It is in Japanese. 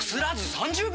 ３０秒！